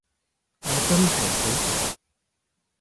我真係好傻